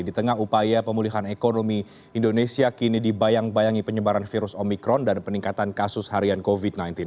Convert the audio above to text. di tengah upaya pemulihan ekonomi indonesia kini dibayang bayangi penyebaran virus omikron dan peningkatan kasus harian covid sembilan belas